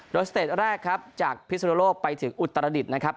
โดยสเตจแรกครับจากพิสุนโลกไปถึงอุตรดิษฐ์นะครับ